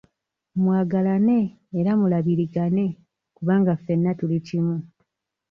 Mwagalane era mulabirigane kubanga ffenna tuli kimu.